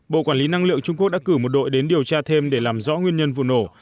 bộ quản lý năng lượng trung quốc đã cử một đội đến điều tra thêm để làm rõ nguyên nhân vụ nổ